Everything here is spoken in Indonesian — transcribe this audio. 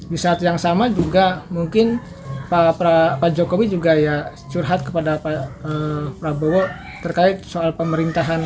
di saat yang sama juga mungkin pak jokowi juga ya curhat kepada pak prabowo terkait soal pemerintahan